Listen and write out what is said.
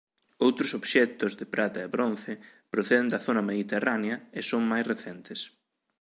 Outros obxectos de prata e bronce proceden da zona mediterránea e son máis recentes.